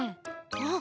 あっ！